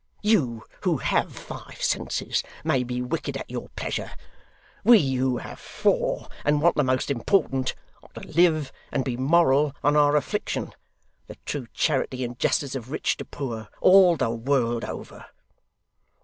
You who have five senses may be wicked at your pleasure; we who have four, and want the most important, are to live and be moral on our affliction. The true charity and justice of rich to poor, all the world over!